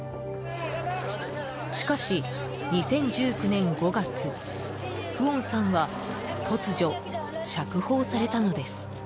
しかし、２０１９年５月フオンさんは突如、釈放されたのです。